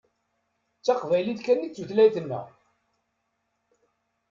D taqbaylit kan i d tutlayt-nneɣ.